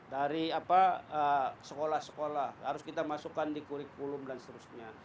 dari sekolah sekolah harus kita masukkan di kurikulum dan seterusnya